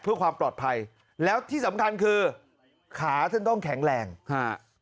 เพื่อความปลอดภัยแล้วที่สำคัญคือขาท่านต้องแข็งแรงฮะ